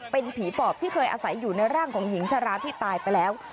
เป็นผีปอบที่เคยอาศัยอยู่ในร่างของหญิงชราที่ตายไปแล้ว